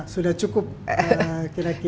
sudah cukup kira kira